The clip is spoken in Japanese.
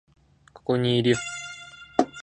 ここにいるよ